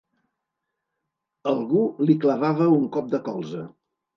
Algú li clavava un cop de colze.